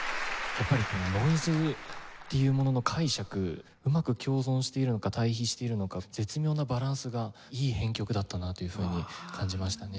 やっぱりこのノイズっていうものの解釈うまく共存しているのか対比しているのか絶妙なバランスがいい編曲だったなというふうに感じましたね。